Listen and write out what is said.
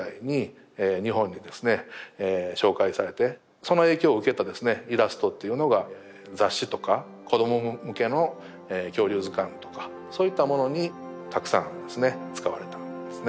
紹介されてその影響を受けたイラストというのが雑誌とか子ども向けの恐竜図鑑とかそういったものにたくさんですね使われたんですね。